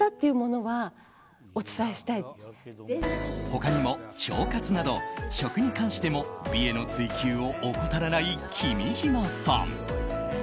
他にも腸活など、食に関しても美への追求を怠らない君島さん。